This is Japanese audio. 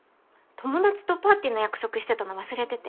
友達とパーティーの約束してたの忘れてて。